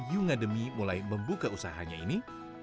yunga demi mulai membuka usahanya ini